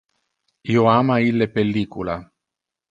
Io ama ille pellicula.